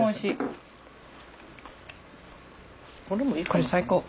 これ最高。